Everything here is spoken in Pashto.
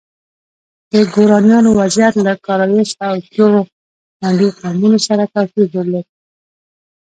د ګورانیانو وضعیت له کارایوس او کیورانډي قومونو سره توپیر درلود.